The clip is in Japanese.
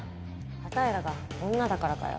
あたいらが女だからかよ？